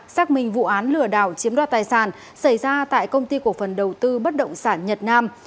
xác minh vụ án lừa đảo chiếm đoạt tài sản xảy ra tại công ty cổ phần đầu tư bất động sản nhật nam